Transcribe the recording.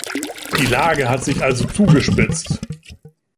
Die Lage hat sich also zugespitzt.